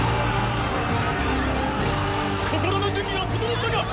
心の準備は整ったか！